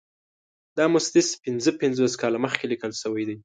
دا مسدس پنځه پنځوس کاله مخکې لیکل شوی دی.